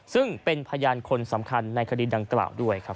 ซึ่งเป็นพยานคนสำคัญในคดีดังกล่าวด้วยครับ